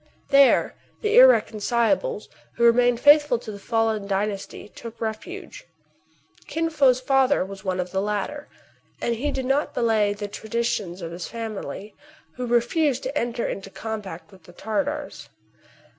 There the " irreconcilables '* who remained faithful to the fallen dynasty took refuge. Kin Fo*s father was one of the latter ; and he did not belie the traditions of his family, who re fused to enter into compact with the Tartars.